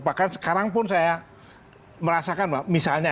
bahkan sekarang pun saya merasakan bahwa misalnya